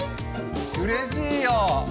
うれしいよ。